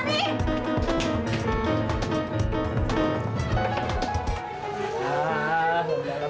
jangan sakit sakit jangan